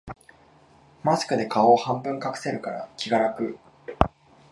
マスクで顔を半分隠せるから気が楽